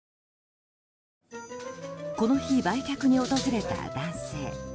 この日、売却に訪れた男性。